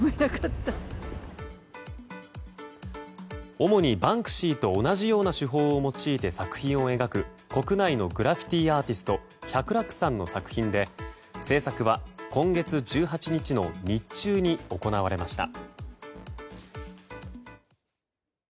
主にバンクシーと同じような手法を用いて作品を描く国内のグラフィティアーティストＨＹＫＲＸさんの作品で制作は今月１８日の日中に行われました。